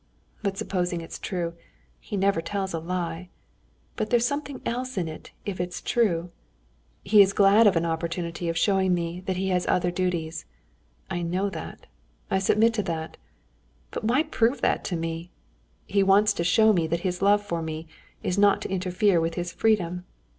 But supposing it's true. He never tells a lie. But there's something else in it if it's true. He is glad of an opportunity of showing me that he has other duties; I know that, I submit to that. But why prove that to me? He wants to show me that his love for me is not to interfere with his freedom.